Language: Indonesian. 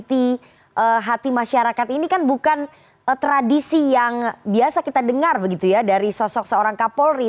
hati masyarakat ini kan bukan tradisi yang biasa kita dengar begitu ya dari sosok seorang kapolri